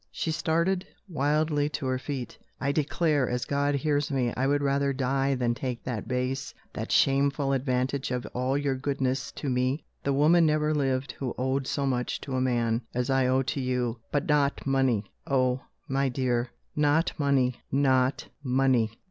She started wildly to her feet. "I declare, as God hears me, I would rather die than take that base, that shameful advantage of all your goodness to me. The woman never lived who owed so much to a man, as I owe to you but not money! Oh, my dear, not money! not money!"